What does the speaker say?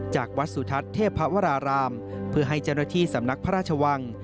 จากวัดสุทัศน์เทพวรารามเพื่อให้เจ้าหน้าที่สำนักพระราชวัง